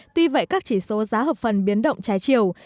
tuy vậy các chỉ số giá hợp phần biến động trái chiều